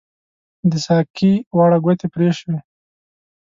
د ساقۍ واړه ګوتې پري شوي